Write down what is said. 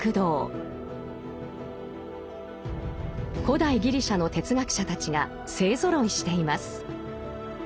古代ギリシャの哲学者たちが勢ぞろいしています。